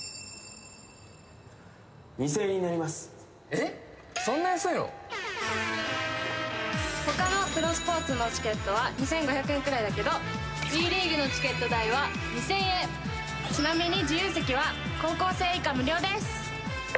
あの他のプロスポーツのチケットは２５００円くらいだけどＷＥリーグのチケット代は２０００円ちなみに自由席は高校生以下無料です